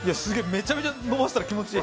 めちゃめちゃ伸ばしたら気持ちいい！